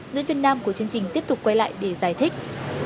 diễn viên nam của chương trình tiếp tục quay lại để giải thích